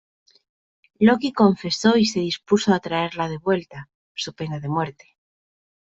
Loki confesó y se dispuso a traerla de vuelta, su pena de muerte.